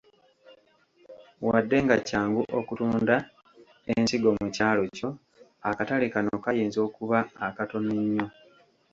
Wadde nga kyangu okutunda ensigo mu kyalo kyo, akatale kano kayinza okuba akatono ennyo.